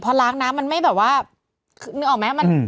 พอล้างน้ำมันไม่แบบว่านึกออกไหม